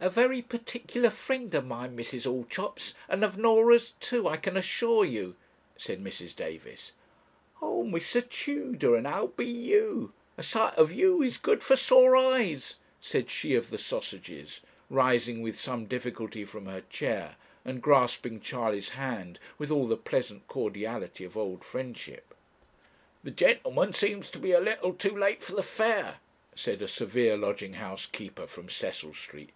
'A very particular friend of mine, Mrs. Allchops; and of Norah's too, I can assure you,' said Mrs. Davis. 'Ah, Mr. Tudor, and how be you? A sight of you is good for sore eyes,' said she of the sausages, rising with some difficulty from her chair, and grasping Charley's hand with all the pleasant cordiality of old friendship. 'The gen'leman seems to be a little too late for the fair,' said a severe lodging house keeper from Cecil Street.